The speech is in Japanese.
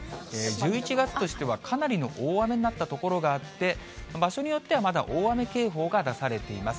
１１月としてはかなりの大雨になった所があって、場所によってはまだ大雨警報が出されています。